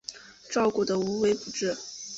照顾得无微不至